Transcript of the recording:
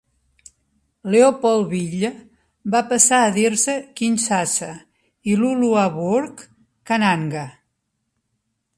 Leopoldville va passar a dir-se Kinshasa i Luluabourg, Kananga.